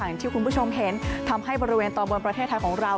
อย่างที่คุณผู้ชมเห็นทำให้บริเวณตอนบนประเทศไทยของเรา